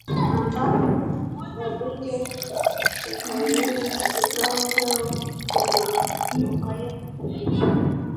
ambako wabunge hufanyia vikao vyao kuporomoka